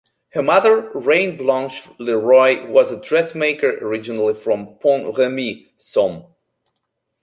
Her mother, Reine Blanche Leroy, was a dressmaker originally from Pont-Remy, Somme.